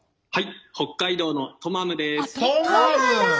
はい。